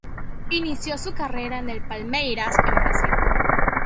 Inició su carrera en el Palmeiras en Brasil.